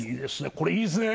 これいいですね！